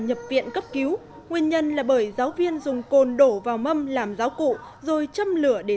nhập viện cấp cứu nguyên nhân là bởi giáo viên dùng cồn đổ vào mâm làm giáo cụ rồi châm lửa để